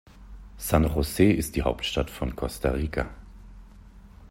San José ist die Hauptstadt von Costa Rica.